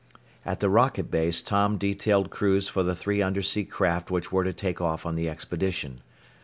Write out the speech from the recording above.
At the rocket base Tom detailed crews for the three undersea craft which were to take off on the expedition.